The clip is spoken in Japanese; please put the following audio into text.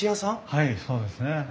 はいそうですね。